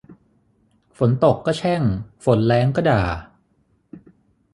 ฝนตกก็แช่ง ฝนแล้งก็ด่า